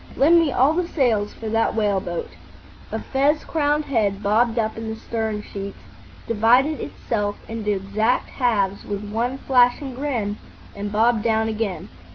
lend me all the sails for that whale boat." A fez crowned head bobbed up in the stern sheets, divided itself into exact halves with one flashing grin, and bobbed down again.